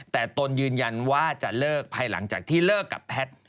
แต่ตนยืนยันว่าจะเลิกภายหลังจากที่เลิกกับแพทย์